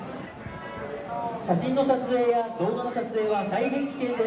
写真の撮影や動画の撮影は非常に危険です。